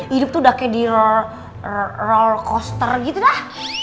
hidup tuh udah kayak di roll coaster gitu dah